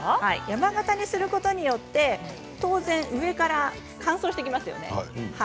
山型にすることによって当然、上から乾燥してきますよね